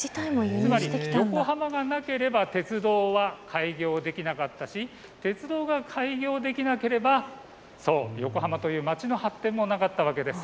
つまり横浜がなければ鉄道は開業できなかったし、鉄道が開業できなければ、横浜という街の発展もなかったわけです。